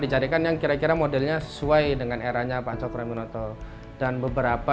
di carikan yang kira kira modelnya sesuai dengan eranya pak cokro aminoto dan beberapa